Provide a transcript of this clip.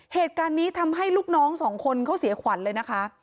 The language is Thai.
เหตุการณ์นี้ทำให้ลูกน้องสองคนเขาเสียขวัญเลยนะคะ